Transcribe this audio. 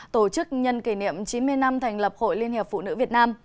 tổ chức nhân kỷ niệm chín mươi năm thành lập hội liên hiệp phụ nữ việt nam